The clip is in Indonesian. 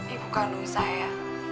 ibu kandung saya